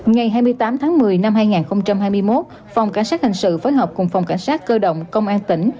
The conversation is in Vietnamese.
ngày hai mươi tám tháng một mươi năm hai nghìn hai mươi một phòng cảnh sát hình sự phối hợp cùng phòng cảnh sát cơ động công an tỉnh